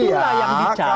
itulah yang dicari